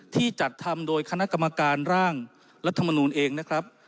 ที่จัดทำโดยคณะกรรมการร่างรัฐมนูลเองนะครับ